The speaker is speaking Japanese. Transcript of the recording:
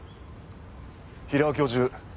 平尾教授